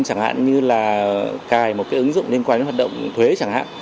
chẳng hạn như là cài một cái ứng dụng liên quan đến hoạt động thuế chẳng hạn